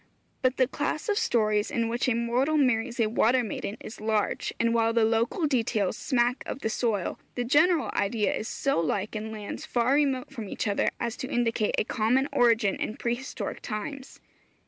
But the class of stories in which a mortal marries a water maiden is large, and while the local details smack of the soil, the general idea is so like in lands far remote from each other as to indicate a common origin in pre historic times.